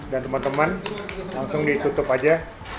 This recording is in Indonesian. dan teman teman langsung ditutup aja